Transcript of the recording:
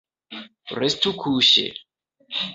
Restu kuŝe.